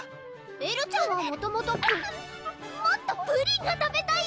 エルちゃんはもともとプもっとプリンが食べたい？